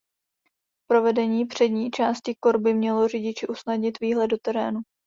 Provedení přední části korby mělo řidiči usnadnit výhled do terénu.